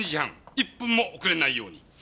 １分も遅れないように。